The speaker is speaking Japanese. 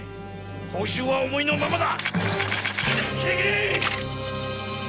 報酬は思いのままだ！